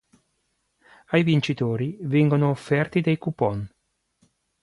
Ai vincitori vengono offerti dei coupon.